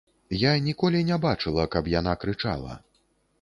Я ніколі не бачыла, каб яна крычала.